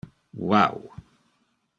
Wow!